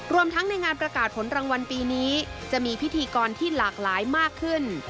รวมทั้งในงานประกาศผลรางวัลปีนี้จะมีพิธีกรที่หลากหลายมากขึ้น